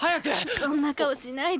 そんな顔しないで。